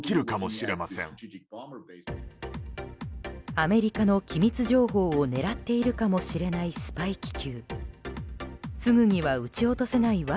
アメリカの機密情報を狙っているかもしれないスパイ気球。